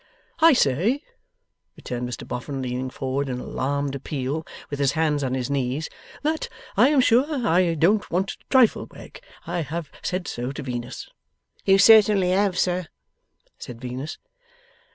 'I say,' returned Mr Boffin, leaning forward in alarmed appeal, with his hands on his knees, 'that I am sure I don't want to trifle. Wegg. I have said so to Venus.' 'You certainly have, sir,' said Venus.